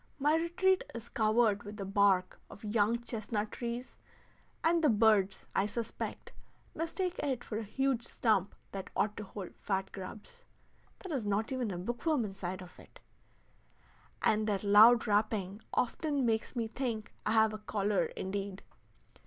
My retreat is covered with the bark of young chestnut trees, and the birds, I suspect, mistake it for a huge stump that ought to hold fat grubs (there is not even a bookworm inside of it), and their loud rapping often makes me think I have a caller indeed.